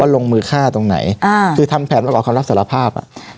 ลงมือฆ่าตรงไหนอ่าคือทำแผนประกอบคำรับสารภาพอ่ะ